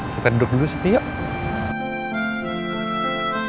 kita duduk dulu siti yuk